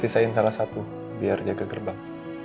sisain salah satu biar jaga gerbang